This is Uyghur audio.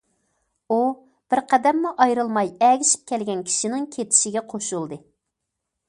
ئۇ بىر قەدەممۇ ئايرىلماي ئەگىشىپ كەلگەن كىشىنىڭ كېتىشىگە قوشۇلدى!